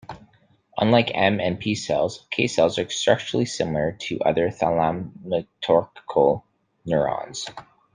Unlike M and P cells, K cells are structurally similar to other thalamocortical neurons.